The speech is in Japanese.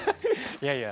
いやいや。